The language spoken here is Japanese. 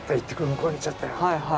向こうに行っちゃったよ」。